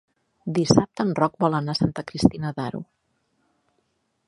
Dissabte en Roc vol anar a Santa Cristina d'Aro.